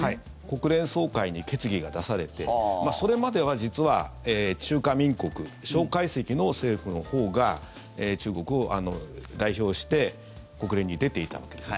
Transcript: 国連総会に決議が出されてそれまでは実は中華民国、蒋介石の政府のほうが中国を代表して国連に出ていたわけです。